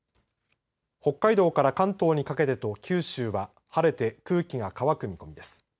北海道から関東にかけてと九州は晴れて空気が乾く見込みです。